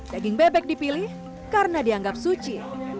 daging bebek dipilih karena dianggap suci